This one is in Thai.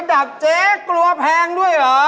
ดับเจ๊กลัวแพงด้วยเหรอ